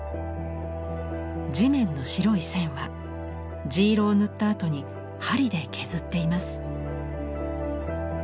地面の白い線は地色を塗ったあとに針で削っています。